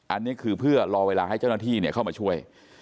อันนี้คือเพื่อรอเวลาให้เจ้าหน้าที่เข้ามาช่วย